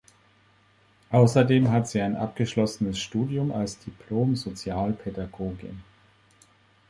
Außerdem hat sie ein abgeschlossenes Studium als Diplom-Sozialpädagogin.